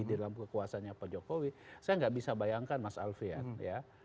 di dalam kekuasaannya pak jokowi saya nggak bisa bayangkan mas alfian ya